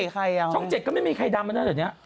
ช่อง๗ก็ไม่มีใครดำมาตั้งแต่นี้